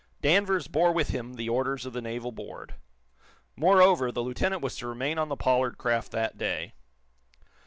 Danvers bore with him the orders of the naval board. Moreover, the lieutenant was to remain on the Pollard craft that day.